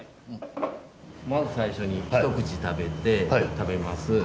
まず最初に一口食べて食べます。